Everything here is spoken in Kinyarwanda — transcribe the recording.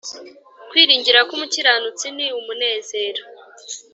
Kwiringira k umukiranutsi ni umunezero